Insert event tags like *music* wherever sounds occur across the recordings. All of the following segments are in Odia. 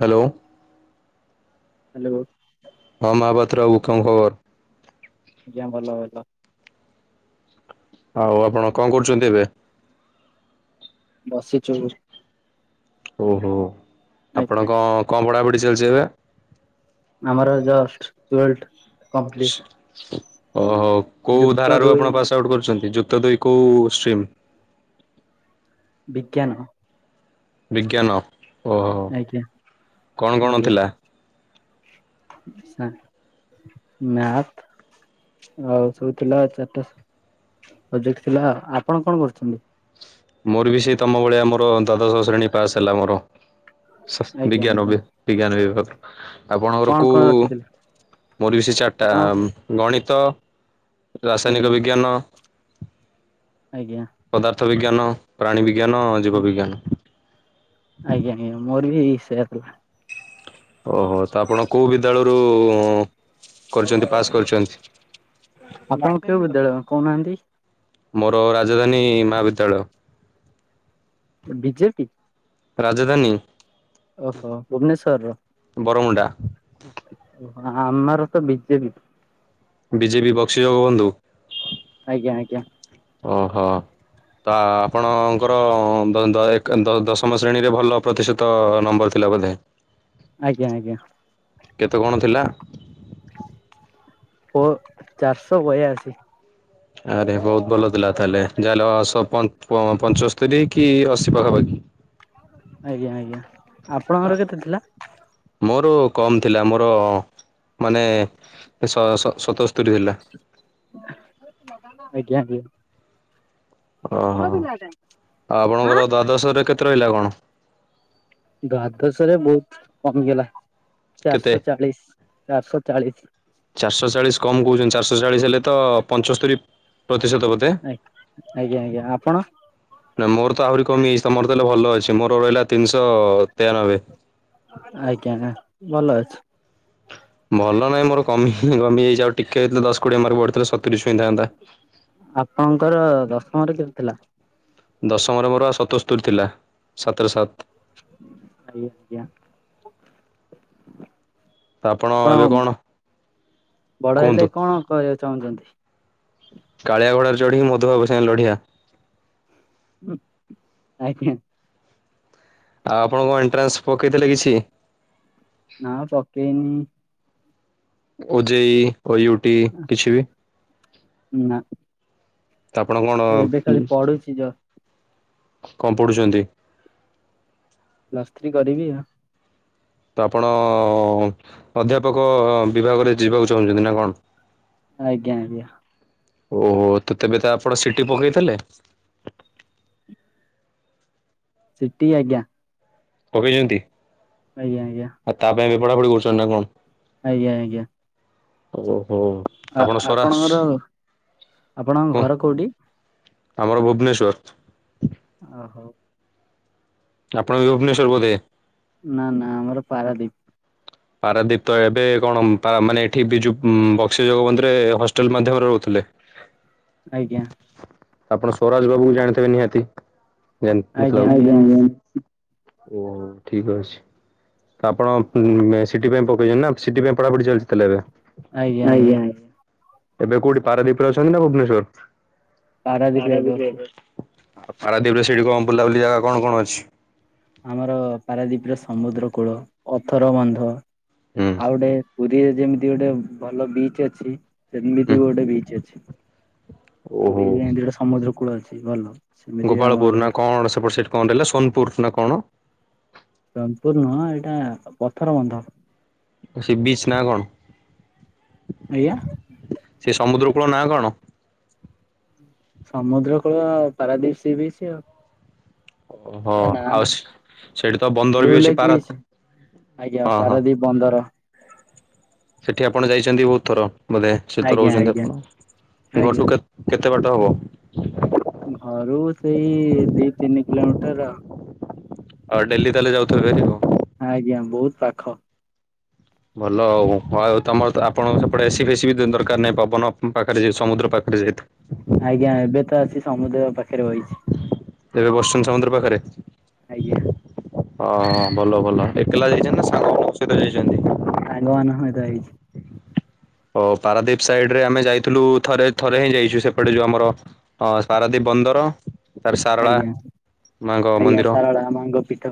ହ୍ୟାଲୋ। ହ୍ୟାଲୋ। ହଁ ମହାପାତ୍ର ବାବୁ କଣ ଖବର? ଆଜ୍ଞା ଭଲ ଅଛ। ଆଉ ଆପଣ କଣ କରୁଛନ୍ତି ଏବେ? ବସିଛୁ ଓହୋ ଆ- ଆପଣ କଣ କଣ ପଢାପଢି ଚାଲିଛି ଏବେ? ଆମର ଜଷ୍ଟ ଟ୍ୱଲଥ। ଓହୋ କୋଉ ଯୁକ୍ତ ଧାରାରୁ ଦୁଇ ଆପଣ ପାସ୍ ଆଉଟ୍ କରୁଛନ୍ତି ଯୁକ୍ତ ଦୁଇ। କଉ ଷ୍ଟ୍ରିମ୍? ବିଜ୍ଞାନ। ବିଜ୍ଞାନ। ଓହୋ ଆଜ୍ଞା କଣ କଣ ଆଜ୍ଞା। ଥିଲା? *unintelligible* ମ୍ୟାଥ ଆଉ ସବୁ ଥିଲା ଚାରିଟା ପ୍ରଜେକ୍ଟ ଥିଲା ଆପଣ କଣ କରୁଛନ୍ତି? ମୋର ବି ସେ ତମ ଭଳିଆ ମୋର ଦ୍ୱାଦଶହ ଶ୍ରେଣୀ ପାସ୍ ହେଲା ମୋର ଆଜ୍ଞା ବିଜ୍ଞା ନ ଆଜ୍ଞା ବେ। *unintelligible* ବିଜ୍ଞାନ ବିଭାଗ ଆପଣଙ୍କର କଣ କୋଉ କଣ ରଖିଥିଲେ ପରିବେଶି ଚାଟ ଟା। ଆପଣ ଗଣିତ, ଆଜ୍ଞା ରାସାୟନିକ ଆଜ୍ଞା ବିଜ୍ଞାନ। ଆଜ୍ଞା। ପଦାର୍ଥ ବିଜ୍ଞାନ, ପ୍ରାଣୀ ବିଜ୍ଞାନ, ଜୀବ ବିଜ୍ଞାନ। ଆଜ୍ଞା ଆଜ୍ଞା ମୋର ବି ସେଇଆ ଥିଲା। ଓହୋ ତ ଆପଣ କୋଉ ବିଦ୍ୟାଳୟରୁ କରିଛନ୍ତି ପାସ୍ କରିଛନ୍ତି? *inaudible* ଆପଣ କେଉଁ ବିଦ୍ୟାଳୟ କୋଉ ନାହାନ୍ତି? ମୋର ରାଜଧାନୀ ମହାବିଦ୍ୟାଳୟ। ବିଜେପି। ରାଜଧାନୀ। ଓହୋ ଭୁବନେଶ୍ୱର ର। ବରମୁଣ୍ଡା। ଆମର ତ ବିଜେପି। ବିଜେପି ବକ୍ସିୀ ଜଗବନ୍ଧୁ। ଆଜ୍ଞା ଆଜ୍ଞା। ଓହୋ। ତା ଆପଣଙ୍କର *unintelligible* ଦଶମ ଶ୍ରେଣୀରେ ଭଲ ପ୍ରତିଶତ ତ ନମ୍ବର ଥିଲା ବୋଧେ। ଆଜ୍ଞା ଆଜ୍ଞା। କେତେ କଣ ଥିଲା? ଓ ଚାରିଶହ ବୟାଅଶୀ। ଆରେ ବହୁତ ଭଲ ଥିଲା ତାହେଲେ ଯାହା ହେଲେ ନଅସ ପଞ୍ଚସ୍ତରୀ କି ଅଶୀ ପାଖାପାଖି ଆଜ୍ଞା ଆଜ୍ଞା ଆପଣଙ୍କର କେତେ ଥିଲା? ମୋର କମ ଥିଲା ମୋର ମାନେ ସ ସ ସତସ୍ତରୀ ଥିଲା। ଆଜ୍ଞା ବ। ଓହୋ ଆଉ ଆପଣଙ୍କର ଦ୍ୱାଦଶରରେ କେତେ ରହିଲା କଣ? ଦାଦଶ ରେ ବହୁତ କମିଗଲା କେତେ ଚାରିଶହ ଚାଳିଶ ଚାରିଶହ ଚାଳିଶ। ଚାରିଶହ ଚାଳିଶ କମ କହୁଛନ୍ତି ଚାରିଶହ ଚାଳିଶ ହେଲେ ତ ପଞ୍ଚସ୍ତରି ପ୍ରତିଶତ ବୋଧେ। ଆ-ଆଜ୍ଞା ଆଜ୍ଞା ଆପଣ? ନା ମୋର ତ ଆହୁରି କମିଯାଇଛି ତମର ତାହଲେ ଭଲ ଅଛି ମୋର ରହିଲା ତିନିଶ ତେୟାନବେ। ଆଜ୍ଞା ଭଲ ଅଛି। ଭଲ ନାଇଁ ମୋର କମି ଇଁ କମିଯାଇଛି ଆଉ ଟିକେ ଦ-ଦଶ କୋଡିଏ ମାର୍କ ବଢିଥିଲେ ସତୁରୀ ଛୁଇଁଥାନ୍ତା। ଆପଣଙ୍କର ଦଶମରେ କେତେ ଥିଲା? ଦଶମରେ ମୋର ସତସ୍ତୁରି ଥିଲା ସାତରେ ସାତ୍। ଆଜ୍ଞା ଆଜ୍ଞା। ଆପଣ ଆପଣ ଏବେ କଣ ବଡ କୁହନ୍ତୁ ହେଲେ କଣ କରିବାକୁ ଚାହୁଁଚନ୍ତି? କାଳିଆ ଘୋଡାରେ ଚଢିକି ମଧୁବାବୁ ସାଙ୍ଗେ ଲଢିଆ। ହୁଁ ଆଜ୍ଞା। ଆଉ ଆପଣ କଣ ଏଣ୍ଟ୍ରାନ୍ସ ପକେଇଥିଲେ କିଛି? ନା ପକେଇନି। ଓ ଜେ ଇ ଓ ୟୁ ଟି କିଛି ବି? ନା ତ ଆପଣ କଣ ଏବେ ଉ ଖାଲି ପଢୁଛି ଯ କଣ ପଢୁଚନ୍ତି? ପ୍ଲସ ଥ୍ରୀ କରିବି ଆଉ। ତ ଆପଣ ଅଁ ଅଧ୍ୟାପକ ବିଭାଗରେ ଯିବାକୁ ଚାହୁଁଚନ୍ତି ନା କଣ? ଆଜ୍ଞା ଆଜ୍ଞା। ଓହୋ ତ ତେବେ ତ ଆପଣ ସି ଟି ପକେଇଥିଲେ? ସି ଟି ଆଜ୍ଞା। ପକେଇଚନ୍ତି? ଆଜ୍ଞା ଆଜ୍ଞା। ଆଉ ତା ପାଇଁ ଏବେ ପଢା ପଢି କରୁଚନ୍ତି ନା କଣ? ଆଜ୍ଞା ଆଜ୍ଞା। ଓହୋ। ଆପଣ ଆ-ଆପଣଙ୍କର ସ୍ୱରାଷ୍ଟ୍ର ଆପଣଙ୍କ ଘର କୋଉଟି? ଆମର ଭୁବନେଶ୍ଵର। ଅ ହଉ। ଆପଣ ବି ଭୁବନେଶ୍ୱର ବୋଧେ। ନା ନା ଆମର ପାରାଦ୍ୱୀପ। ପାରାଦ୍ବୀପ ତ ଏବେ କଣ ଉଁ ପାରା ମାନେ ଏଠି ବିଜୁ ଉଁ ବକ୍ସି ଜଗବନ୍ଧୁରେ ହଷ୍ଟେଲ ମାଧ୍ୟମରେ ରହୁଥିଲେ? ଆଜ୍ଞା। ଆପଣ ସ୍ୱରାଜ୍ ବାବୁକୁ ଜାଣିଥିବେ ନିହାତି ଜାଣି ଆଜ୍ଞା ମତଲବ ଆଜ୍ଞା ନିଶ୍ଚ ଓହୋ ଠିକ୍ ଅଛି ତ ଆପଣ ଉଁ ମେସ୍ ସି ଟି ପାଇଁ ପକେଇଚନ୍ତି ନା ସି ଟି ପାଇଁ ପଢାପଢି ଚାଲିଚି ତାହାଲେ ଆଜ୍ଞା ଆଜ୍ଞା ଏବେ? ଏବେ କୋଉଠି ପାରାଦ୍ବୀପରେ ଅଛନ୍ତି ନା ଭୁବନେଶ୍ଵର? ପାରାଦୀପରେ ଏବେ ଅଛୁ। ଆଉ ପାରାଦ୍ୱୀପ୍ ରେ ସେଠି କଣ ବୁଲାବୁଲି ଜାଗା କଣ କଣ ଅଛି? ଆମର ପାରାଦ୍ୱୀପ୍ ର ସମୁଦ୍ର କୂଳ, ଅଥର ବନ୍ଧ, ହୁଁ ଆଉ ଗୋଟେ ପୁରୀରେ ଯେମିତି ଗୋଟେ ଭଲ ବିଚ୍ ଅଛି। ସେମିତି ବି ହୁଁ ଗୋଟେ ବିଚ୍ ଅଛି ଓହୋ। ପୁରୀରେ ଯେମତି ଗୋଟେ ସମୁଦ୍ର କୂଳ ଅଛି ଭଲ। ସେମିତି ବି ଆମର ଗୋପାଳପୁର ଗୋଟେ ନା ଅଛି। କଣ ସେପଟ ସାଇଟ୍ କଣ ରହିଲା ସୋନପୁର ନା କଣ? ସୋନପୁର ନୁହଁ ଏଇଟା ପଥର ବନ୍ଧ। ସେ ବିଚ୍ ନାଁ କଣ? ଆଜ୍ଞା? ସେ ସମୁଦ୍ର କୂଳ ନାଁ କଣ? ସମୁଦ୍ର କୂଳ ପାରାଦ୍ୱୀପ୍ ସି ବିଚ୍ ଆଉ। ଓହୋ ତା ନାଁ ଆଉ ନାହିଁ ସେଇଠି ତ ବନ୍ଦର ବ୍ଲୁ ବି ଅଛି ଲେକ୍ ବିଚ୍ ପାରାଦ୍ଵୀପ। ଆଜ୍ଞା ପାରାଦ୍ଵୀପ ବନ୍ଦର। ସେଠି ଆପଣ ଯାଇଛନ୍ତି ବହୁତ୍ ଥର ବୋଧେ ସେଠି ତ ଆଜ୍ଞା ରହୁଛନ୍ତି ଆଜ୍ଞା ଆପଣ। ଆଜ୍ଞା। ଘରଠୁ କେତ୍ କେତେ ବାଟ ହବ? ଘରୁ ସେଇ ଦି ତିନି କିଲୋମିଟର ଆଉ। ଅ ଡେଲି ତାହେଲେ ଯାଉଥିବେ ବେରିକୁ। ଆଜ୍ଞା ବହୁତ୍ ପାଖ। ଭଲ ଆଉ ଆଉ ତମର ତ ଆପଣଙ୍କ ସେପଟେ ଏସି ଫେସି ବି ଦି ଦରକାର ନାହିଁ ପବନ ପାଖରେ ଯେ ସମୁଦ୍ର ପାଖ୍ ଡି ଯେହେତୁ ଆଜ୍ଞା ଏବେ ତ ଆସି ସମୁଦ୍ର ପାଖେରେ ବଇଚି। ଏବେ ବସିଛନ୍ତି ସମୁଦ୍ର ପାଖରେ ଆଜ୍ଞା ଅଁ ଭଲ ଭଲ। ଏକେଲା ଯାଇଚନ୍ତି ନା ସାଙ୍ଗମାନଙ୍କ ସହିତ ଯାଇଚନ୍ତି? ସାଙ୍ଗମାନଙ୍କ ସହିତ ଆଇଛି। ଓ ପାରାଦ୍ଵୀପ ସାଇଡ୍ ରେ ଆମେ ଯାଇଥିଲୁ ଥରେ ଥରେ ହିଁ ଯାଇଛୁ ସେପଟେ ଯୋଉ ଆମର ହଁ ପାରାଦ୍ୱୀପ୍ ବନ୍ଦର ତାରେ ସାରଳା ଆଜ୍ଞା ମାଆଙ୍କ ଆଜ୍ଞା ମନ୍ଦିର। ଶାରଳା ମାଙ୍କ ପୀଠ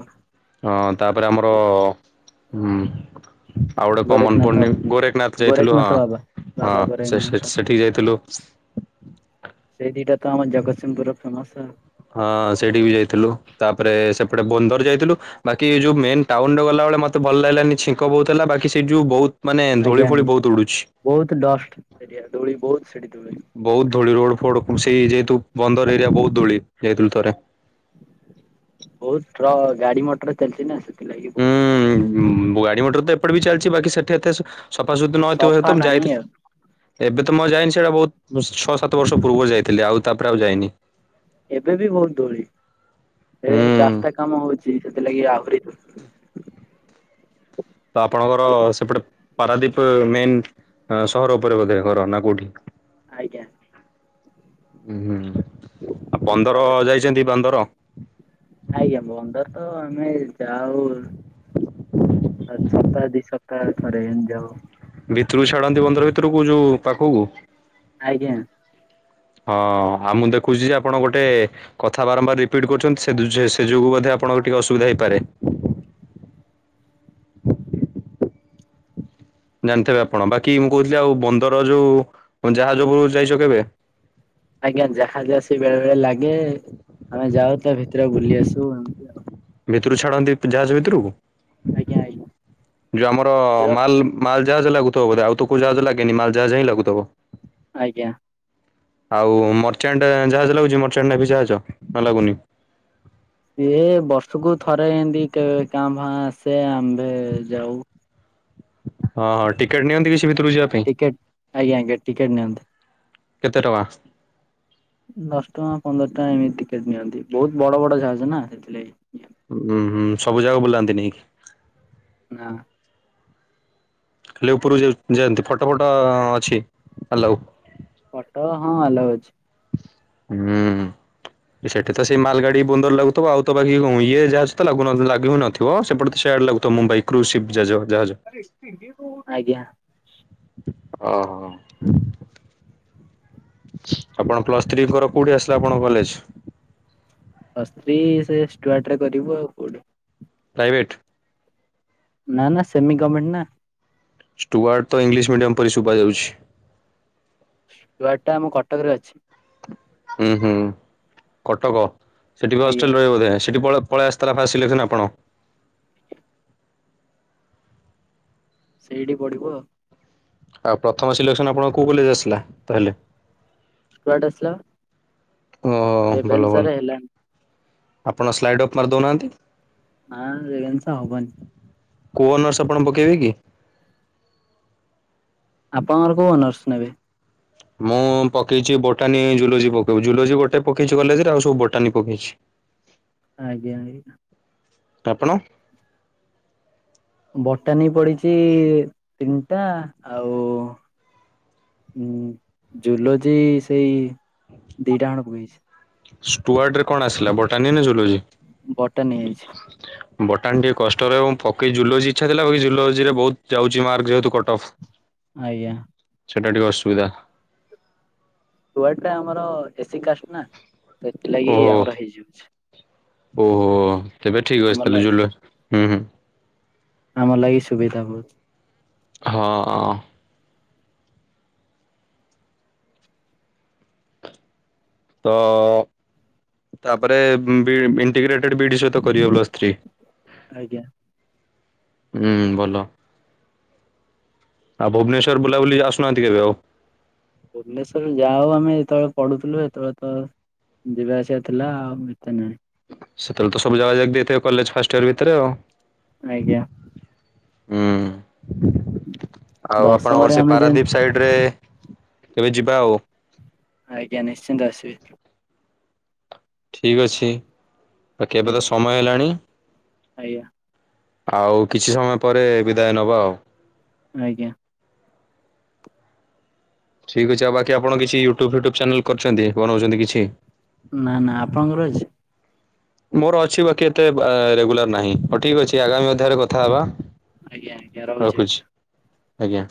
ହଁ ତାପରେ ଆମର ଉଁ। ଆଉ ଗୋଟେ କଣ ଗୋରେଖନାଥ ମନପଡୁନି ଗୋରେଖନାଥ ଯାଇଥିଲୁ ହଁ ଗୋରେଖନାଥ ବାବା ହଁ ବାବା ସେ ଗୋରେଖନାଥ *unintelligible* ଏଠିକି ଯାଇଥିଲୁ। ସେଇ ଦିଇଟା ତ ଆମ ଜଗତସିଂହପୁରର ଫେମସ ଆଉ। ହଁ ସେଇଠି ବି ଯାଇଥିଲୁ। ତାପରେ ସେପଟେ ବନ୍ଦର ଯାଇଥିଲୁ। ବାକି ଏ ଯୋଉ ମେନ୍ ଟାଉନ୍ ରେ ଗଲାବେଳେ ମତେ ଭଲ ଲାଗିଲାନି ଛିଙ୍କ ବହୁତ୍ ହେଲା ବାକି ସେଇଠ୍ ଯୋଉ ବହୁତ୍ ମାନେ ଧୂଳି ଫୂଳି ବହୁତ୍ ଉଡୁଛି। ବହୁତ୍ ଡଷ୍ଟ୍ ଏରିଆ ଧୂଳି ବହୁତ ସେଠି ଧୂଳି। ବହୁତ୍ ଧୂଳି ରୋଡ ଫୋଡ ସେଇ ଯେହେତୁ ବନ୍ଦର ଏରିଆ ବହୁତ୍ ଧୂଳି ଯାଇଥିଲୁ ଥରେ। ବହୁତ୍ ଟ୍ରକ୍ ଗାଡି ମଟର ଚାଲିଛି ନା ସେଥିଲାଗି ବହୁତ ହୁଁ ଗାଡି ମଟର ତ ଏପଟ ବି ଚାଲିଛି ବାକି ସେଠି ଏତେ ସୁ ସଫାସୁତୁ ନ ହେଇଥିବ ସଫା ତ ମୁଁ ନାହିଁ ଯାଇଥି ଆଉ ଏବେ ତ ମୁଁ ଆଉ ଯାଇନି ସେଇଟା ବହୁତ୍ ଛଅ ସାତ ବର୍ଷ ପୂର୍ବରୁ ଯାଇଥିଲି ଆଉ ତାପରେ ଆଉ ଯାଇନି। ଏବେ ବି ବହୁତ୍ ଧୂଳି। ଏବେ ଏଇ ହୁଁ ରାସ୍ତା କାମ ହଉଛି ସେଥିଲାଗି ଆହୁରି ଧୂ ତ ଆପଣଙ୍କର ଖାଲି ସେପଟେ ପାରାଦ୍ଵୀପ ମେନ୍ ଆଁ ସହର ଉପରେ ବୋଧେ ଘର ନା କୋଉଠି? ଆଜ୍ଞା। ଉଁ ହୁଁ ଆ ପନ୍ଦର ପାରାଦ୍ୱୀପ ଯାଇଛନ୍ତି ବାନ୍ଦର? ଆଜ୍ଞା ବନ୍ଦର ତ ଆମେ ଯାଉ। ଆଁ ସପ୍ତାହ ଦି ସପ୍ତାହ ଥରେ ଏମତି ଯାଉ। ଭିତୁରୁକୁ ଛାଡ଼ନ୍ତି ବନ୍ଦର ଭିତୁରୁକୁ ଯୋଉ ପାଖୁୁକୁ? ଆଜ୍ଞା। ହଁ ଆଉ ମୁଁ ଦେଖୁଛି ଯେ ଆପଣ ଗୋଟେ କଥା ବାରମ୍ବାର ରିପିଟ୍ କରୁଛନ୍ତି ସେଦ୍ ଯେ ସେ ଯୋଗୁଁ ବୋଧେ ଆପଣଙ୍କ ଟିକେ ଅସୁବିଧା ହେଇପାରେ। ଜାଣିଥିବେ ଆପଣ ବାକି ମୁଁ କହୁଥିଲି ଆଉ ବନ୍ଦର ଯୋଉ ଜାହାଜ ଉପୁରୁକୁ ଯାଇଛ କେବେ? ଆଜ୍ଞା ଜାହାଜ ଆସି ବେଳେ ବେଳେ ଲାଗେ ଆମେ ଯାଉ ତା ଭିତରେ ବୁଲି ଆସୁ ଏମତି ଆଉ। ଭିତୁରୁକୁ ଛାଡ଼ନ୍ତି ଜାହାଜ ଭିତୁରୁକୁ? ଆଜ୍ଞା ଆଜ୍ଞା ଯୋଉ ଆମର ମାଲ୍ ମାଲ୍ ଜାହାଜ ଲାଗୁଥିବ ବୋଧେ ଆଉ ତ କୋଉ ଜାହାଜ ଲାଗେନି ମାଲ୍ ଜାହାଜ ହିଁ ଲାଗୁଥବ। ଆଜ୍ଞା। ଆଉ ମର୍ଚାଣ୍ଟ୍ ଜାହାଜ ଲାଗୁଛି ମର୍ଚାଣ୍ଟ୍ ନ୍ୟାଭି ଜାହାଜ ନା ଲାଗୁନି? ଇଏ ବର୍ଷୁକୁ ଥରେ ଏମତି କେ କାଁ ଭାଁ ଆସେ ଆମ୍ଭେ ଯାଉ। ହଁ ହଁ ଟିକେଟ୍ ନିଅନ୍ତି କିଛି ଭିତରୁ ଯିଆ ଟିକେଟ୍, ଆଜ୍ଞା ଆଜ୍ଞା ଟିକେଟ ନିଅନ୍ତ କେତେ ଟଙ୍କା? ଦଶ ଟଙ୍କା ପନ୍ଦର ଟଙ୍କା ଏମିତି ଟିକେଟ୍ ନିଅନ୍ତି ବହୁତ ବଡ ବଡ ଜାହାଜ ନା ସେଥିଲାଗି ଉୁଁ ହୁଁ ସବୁ ଯାକ ବୁଲାନ୍ତି ନେଇକି ନା ନା ଖାଲି ଉପର ଯ ଯାନ୍ତୁ ଫଟୋ ଫଟ ଅଛି ହାଲଉ ଫଟ ହଁ ଆଲାଉ ଅଛି ହୁଁ ସେଠି ତ ସେଇ ମାଲ ଗାଡି ବନ୍ଦର ଲାଗୁଥିବ ଆଉ ତ ବାକି ଇଉଁ ଇଏ ଯାହା ଅଛି ଲାଗୁ ନ ଲାଗି ବି ନଥିବ ସେପଟ ତ ସେଆଡ ଲାଗୁ ତ ମୁମ୍ବାଇ କ୍ରୁସିଭ୍ *unintelligible* ଜାହାଜ ଆରେ *unintelligible* ଆଜ୍ଞା ଅହ ଆପଣ ପ୍ଲସଥ୍ରୀଙ୍କର କୋଉଠି ଆସିଲା ଆପଣଙ୍କ କଲେଜ? ପ୍ଲସ ଥ୍ରି ଷ୍ଟୁଆଟ ରେ କରିବୁ ଆଉ କୋଉଠି ପ୍ରାଇଭେଟ୍ ନା ନା ସେମି ଗମେଣ୍ଟ ନା ଷ୍ଟୁୱାର୍ଡ଼ ତ ଇଂଲିଶ ମିଡ଼ିୟମ୍ ପରି ଶୁଭାଯାଉଛି ଷ୍ଟୁଆର୍ଟ ଆମ କଟକରେ ଅଛି ହୁଁ ହୁଁ କଟକ ସେଠି ବି ଆଜ୍ଞା ହଷ୍ଟେଲ ରହିବ ବୋଧେ ସେଠି ପଳ ପଳା ଆସଥେଲା ଫାଷ୍ଟ ସିଲେକ୍ସନ୍ ଆପଣ ସେଇଡି ପଢ଼ିବୁ ଆଉ ଆଉ ପ୍ରଥମ ସିଲେକ୍ସନ ଆପଣଙ୍କ କୋଉ କଲେଜ ଆସିଲା ତାହେଲେ ଷ୍ଟୁଆଟ ଆସଲା ଓଓ ଭଲ ଭଲ ହେଲାନି ଆପଣ ସ୍ଲାଇଡ ଅଫ୍ ମାରଦଉନାହାନ୍ତି ଆଁ ଏଇନେ ତ ହବନି କୋ ଅନର୍ସ ଆପଣ ପକେଇବେ କି? ଆପଣଙ୍କର କୋଉ ଅନର୍ସ ନେବେ? ମୁଁ ପକେଇଛି ବୋଟାନୀ ଜୁଲୋଜି ପକଉଚ ଜୁଲୋଜି ଗୋଟେ ପକେଇଛି କଲେଜ ରେ ଆଉ ସବୁ ବୋଟାନୀ ପକେଇଛି ଆଜ୍ଞା *unintelligible* ତ ଆପନ ବଟାନୀ ପଡିଛି ତିନିଟା ଆଉ ହୁଁ ଜୁଲୋଜି ସେଇ ଦିଟା ହଣ ପକେଇଛି ଷ୍ଟୁଆର୍ଟ ରେ କଣ ଆସିଲା ବଟାନି ନା ଜୁଲୋଜି? ବଟାନୀ ଆଇଚି ବଟାନ ଟିକେ କଷ୍ଟରେ ଏବଂ ପକେଇ ଜୁଲୋଜି ଇଛାଥିଲା ବାକି ଜୁଲୋଜି ରେ ବହୁତ ଯାଉଛି ମାର୍କ ଯେହେତୁ କଟ ଅଫ୍ ଆଇଜ୍ଞା ସେଟା ଟିକେ ଅସୁବିଧା ଷ୍ଟୁଆଟ ଟା ଆମର ଏସି କାଷ୍ଟ ନା ତ ଏଥିଲାଗି ଓହୋ ଆମର ହେଇଯିଉଛି। ଓହୋ ତେବେ ଠିକ୍ ଆମ ଅଛି ଲା ତାହେଲେ ଜୁଲୋ ହୁଁ ହୁଁ ଆମର ଲାଗି ସୁବିଧା ବହୁତ ହଁଁ ଅ ତ ଅ ତାପରେ ଉଁ ବି ଇଣ୍ଟିଗ୍ରେଟେଡ ବିଇଡି ସହିତ କରିବେ ପ୍ଲସଥ୍ରୀ। ଆଜ୍ଞା ହୁଁ ଭଲ। ଆଉ ଭୁବନେଶ୍ୱର ବୁଲାବୁଲି ଆସୁନାହାନ୍ତି କେବେ ଆଉ? ଭୁବନେଶ୍ବର ଯାଉ ଆମେ ଯେତେବେଳେ ପଢୁଥିଲୁ ସେତେବେଳେ ତ ଯିବା ଆସିଆ ଥିଲା ଆଉ ଏତେ ନାହିଁ। ସେତବେଳେ ତ ସବୁ ଜାଗା ଯାଇକି ବିଏଥିବ କଲେଜ ଫାଷ୍ଟ ଇୟର ଭିତରେ ଆଉ। ଆଜ୍ଞା। ହୁଁ ଆଉ ଦଶମରେ ଆପଣଙ୍କର ସେଇ ଆମେ ଯେ ପାରାଦ୍ଵୀପ ସାଇଡ ରେ କେବେ ଯିବା ଆଉ। ଆଜ୍ଞା ନିଶ୍ଚିନ୍ତ ଆସିବେ। ଠିକ୍ ଅଛି ବାକି ଏବେ ତ ଆଜ୍ଞା ସମୟ ହେଲାଣି। ଆଜ୍ଞା। ଆଉ କିଛି ସମୟ ପରେ ବିଦାୟ ନବ ଆଉ। ଆଜ୍ଞା। ଠିକ୍ ଅଛି ଆଉ ବାକି ଆପଣ କିଛି ୟୁଟ୍ୟୁବ ଫୁଟ୍ୟୁବ ଚ୍ୟାନେଲ କରିଚନ୍ତି ବନଉଚନ୍ତି କିଛି? ନା ନା ଆପଣଙ୍କର ଅଛି? ମୋର ଅଛି ବାକି ଏତେ ଅ ରେଗୁଲାର ନାହିଁ ହଉ ଠିକ୍ ଅଛି ଆଗାମୀ ଅଧ୍ୟାୟ ରେ କଥା ହବା। ଆଜ୍ଞା ଆଜ୍ଞା ରହୁଚି ଆଜ୍ଞା। ଆଜ୍ଞା।